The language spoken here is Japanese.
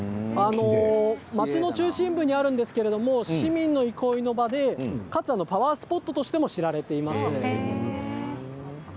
街の中心部にあるんですけれども市民の憩いの場でかつパワースポットとして知られています。